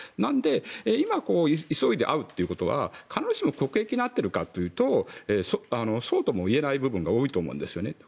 今、急いで会うということは必ずしも国益になっているかというとそうとも言えない部分が多いと思うんですよね。